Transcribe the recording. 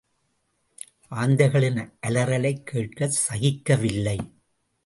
ஆந்தைகளின் அலறலைக் கேட்கச் சகிக்கவில்லை.